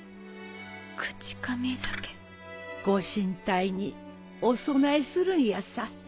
口噛み酒？ご神体にお供えするんやさ。